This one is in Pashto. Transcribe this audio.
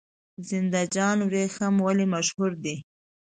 زنده جان وریښم ولې مشهور دي؟